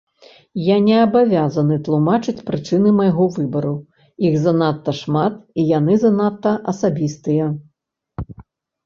Я не абавязаны тлумачыць прычыны майго выбару, іх занадта шмат, і яны занадта асабістыя.